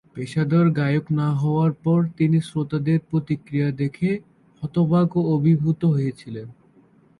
পেশাদার গায়ক না হওয়ার পর তিনি শ্রোতাদের প্রতিক্রিয়া দেখে হতবাক ও অভিভূত হয়েছিলেন।